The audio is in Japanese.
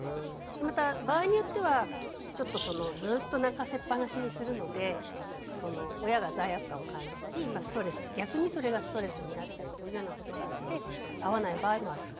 また場合によってはちょっとそのずっと泣かせっぱなしにするので親が罪悪感を感じたり逆にそれがストレスになったりというようなことがあって合わない場合もあると。